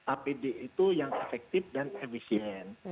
apd itu yang efektif dan efisien